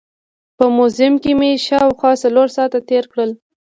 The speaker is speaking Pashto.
په موزیم کې مې شاوخوا څلور ساعت تېر کړل.